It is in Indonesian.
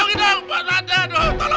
bu iji nggak kelihatan